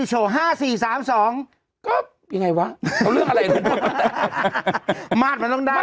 ห้าสี่สามสองก็ยังไงวะเรื่องอะไรมัดมันต้องได้